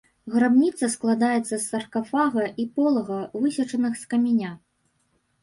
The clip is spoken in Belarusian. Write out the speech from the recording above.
Грабніца складаецца з саркафага і полага, высечаных з каменя.